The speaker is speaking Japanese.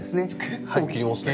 結構切りますね。